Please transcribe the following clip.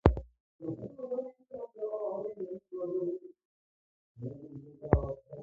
Their unsuccessful attempt met with tragedy.